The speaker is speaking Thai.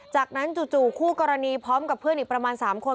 จากนั้นจู่คู่กรณีพร้อมกับเพื่อนอีกประมาณ๓คน